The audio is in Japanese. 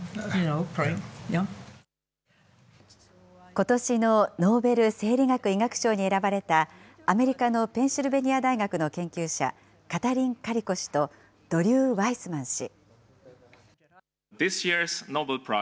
ことしのノーベル生理学・医学賞に選ばれた、アメリカのペンシルベニア大学の研究者、カタリン・カリコ氏とドリュー・ワイスマン氏。